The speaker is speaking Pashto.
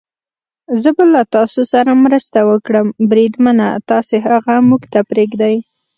زه به له تاسو سره مرسته وکړم، بریدمنه، تاسې هغه موږ ته پرېږدئ.